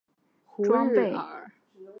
美军于同年将其列入制式装备。